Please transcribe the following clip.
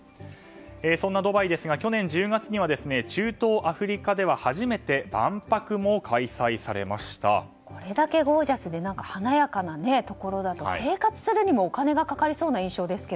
そのドバイですが去年１０月には中東アフリカではこれだけゴージャスで華やかなところだと生活するにもお金がかかりそうな印象ですが。